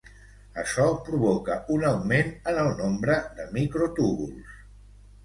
Açò provoca un augment en el nombre de microtúbuls.